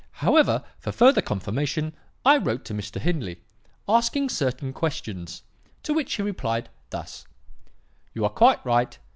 However, for further confirmation, I wrote to Mr. Hindley, asking certain questions, to which he replied thus: "'You are quite right.